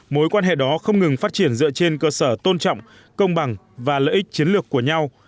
mối quan hệ đó không ngừng phát triển dựa trên cơ sở tôn trọng công bằng và lợi ích chiến lược của nhau